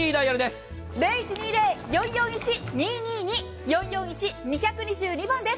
０１２０‐４４１‐２２２４４１‐２２２番です。